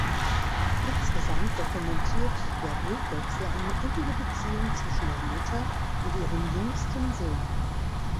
Insgesamt dokumentiert der Briefwechsel eine innige Beziehung zwischen der Mutter und ihrem jüngsten Sohn.